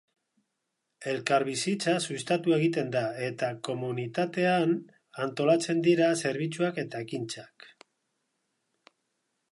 Elkarbizitza sustatu egiten da, eta komunitatean antolatzen dira zerbitzuak eta ekintzak.